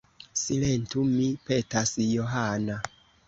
Silentu, mi petas, Johana.